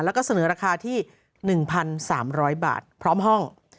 แล้วก็เสนอราคาที่๑๓๐๐บาทพร้อมห้อง